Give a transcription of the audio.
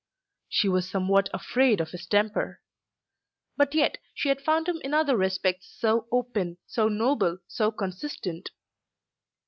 She was somewhat afraid of his temper; but yet she had found him in other respects so open, so noble, so consistent!